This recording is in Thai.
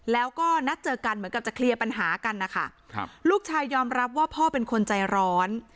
แล้วก็นัดเจอกันเหมือนกับจะเคลียร์ปัญหากันนะคะครับลูกชายยอมรับว่าพ่อเป็นคนใจร้อน